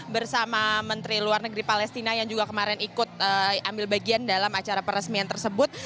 bersama menteri luar negeri palestina yang juga kemarin ikut ambil bagian dalam acara peresmian tersebut